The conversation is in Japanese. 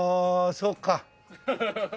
そうか。